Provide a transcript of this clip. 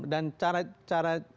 dan caranya adalah tetap